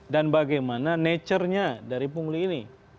dan bagaimana nature nya dari pungguli ini